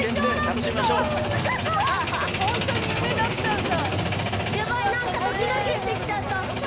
ホントに夢だったんだ。